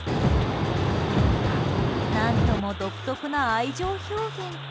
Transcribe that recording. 何とも独特な愛情表現。